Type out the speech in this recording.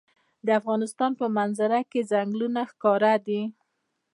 د افغانستان په منظره کې ځنګلونه ښکاره ده.